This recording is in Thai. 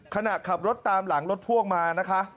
ขณะขับรถตามหลังรถพ่วงมานะคะ